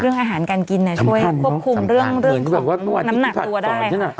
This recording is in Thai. เรื่องอาหารการกินเนี้ยช่วยควบคุมเรื่องเรื่องน้ำหนักตัวได้อ่า